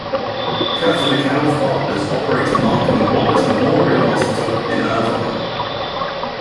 Catholic Health Partners operates Marcum and Wallace Memorial Hospital in Irvine.